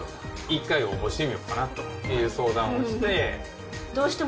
一回応募してみようかなと思って、相談して。